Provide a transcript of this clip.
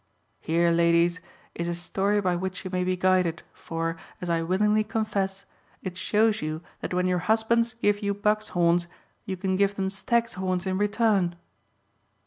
"Here, ladies, is a story by which you may be guided, for, as I willingly confess, it shows you that when your husbands give you bucks' horns you can give them stags' horns in return."